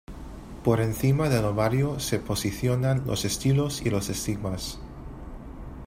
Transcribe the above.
Por encima del ovario se posicionan los estilos y los estigmas.